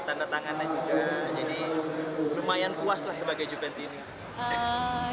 tanda tangannya juga jadi lumayan puas lah sebagai juventu ini